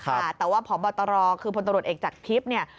เป็นราคาแต่ว่าพบทรคือพลตรวจเอกจากทริปเนี่ย